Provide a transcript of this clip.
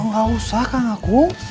gak usah kang aku